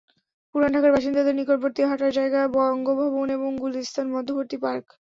পুরান ঢাকার বাসিন্দাদের নিকটবর্তী হাঁটার জায়গা বঙ্গভবন এবং গুলিস্তান মধ্যবর্তী পার্ক।